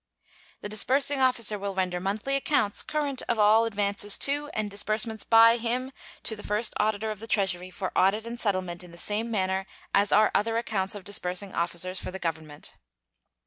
The disbursing officer will render monthly accounts current of all advances to and disbursements by him to the First Auditor of the Treasury for audit and settlement in the same manner as are other accounts of disbursing officers of the Government.